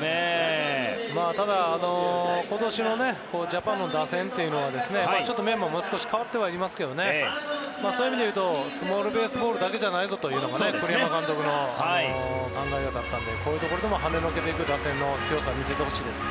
ただ、今年のジャパンの打線はメンバーも変わってはいますがそういう意味でいうとスモールベースボールだけじゃないぞというのが栗山監督の考えだったのでこういうところでもはねのけていく打線の強さを見せてほしいです。